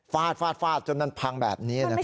ฟาดฟาดจนมันพังแบบนี้นะครับ